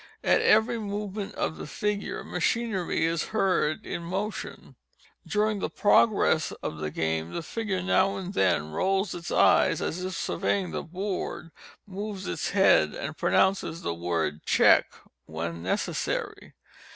At every movement of the figure machinery is heard in motion. During the progress of the game, the figure now and then rolls its eyes, as if surveying the board, moves its head, and pronounces the word _echec _(check) when necessary.